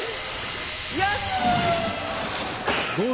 よし！